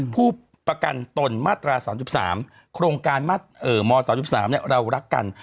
ผู้ประกันตนมาตรา๓๓โครงการมาตรเอ่อม๓๓เนี่ยเรารักกัน